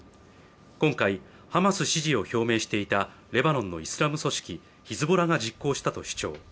今回ハマス支持を表明していたレバノンのイスラム組織ハマスが実行したと主張。